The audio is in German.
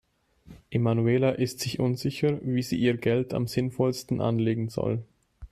Emanuela ist sich unsicher, wie sie ihr Geld am sinnvollsten anlegen soll.